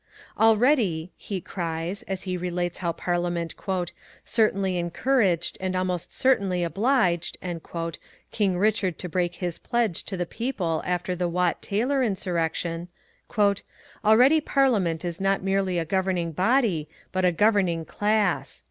"Already," he cries, as he relates how Parliament "certainly encouraged, and almost certainly obliged" King Richard to break his pledge to the people after the Wat Tyler insurrection: Already Parliament is not merely a governing body, but a governing class.